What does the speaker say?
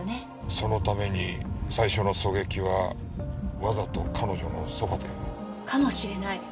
そのために最初の狙撃はわざと彼女のそばで？かもしれない。